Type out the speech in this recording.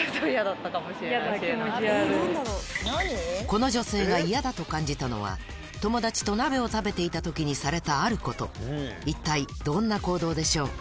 この女性が嫌だと感じたのは友達と鍋を食べていた時にされたあること一体どんな行動でしょう？